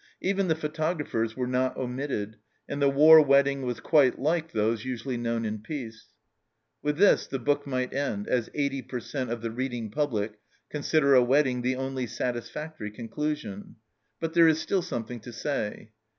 Even the photographers were not omitted, and the war wedding was quite like those usually known in peace. With this the book might end, as 80 per cent, of the reading public consider a wedding the only satisfactory conclusion, but there is still something to say.